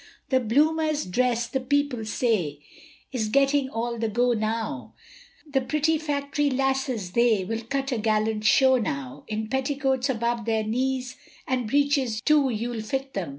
The bloomers dress, the people say, Is getting all the go now, The pretty factory lasses they, Will cut a gallant show now, In petticoats above their knes, And breeches too you'll fit them.